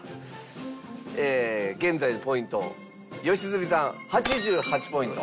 現在のポイント良純さん８８ポイント。